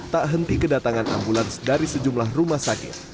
tak henti kedatangan ambulans dari sejumlah rumah sakit